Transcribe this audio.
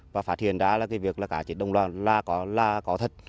và phát hiện ra việc cá chết đồng loạt là có thật